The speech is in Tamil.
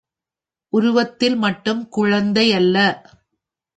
உருவத்தில் மட்டும் குழந்தை அல்ல.